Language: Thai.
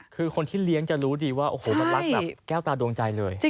คือคนที่เลี้ยงจะรู้ดีว่าโอ้โหมันรักแบบแก้วตาดวงใจเลย